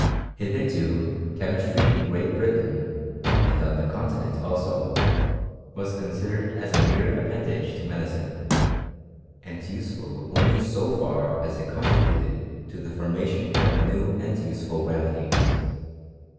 Hitherto che » stry in Great Britain, and on the continent also, s considered as a mere appendage to medicine, and ul only so far as it contributed to the formation of 304 ttlSTORY OF CHEMISniY. new and useful remedies.